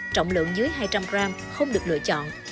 trọng lượng dưới hai trăm linh g không được lựa chọn